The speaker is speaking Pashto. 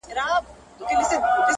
دا چي څه کانې بادار راباندي کاندي